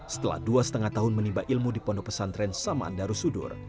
setelah dua lima tahun menimba ilmu di pondok pesantren saman darussudur